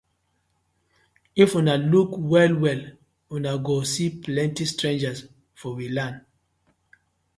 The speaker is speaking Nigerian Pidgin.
If una luuk well well uno go see plenty strangers for we land.